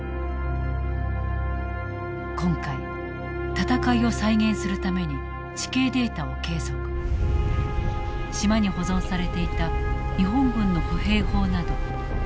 今回戦いを再現するために地形データを計測島に保存されていた日本軍の歩兵砲など戦闘の手がかりを集めた。